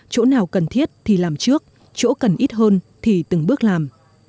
chỗ nào cần thiết thì làm trước chỗ cần ít hơn thì từng bước làm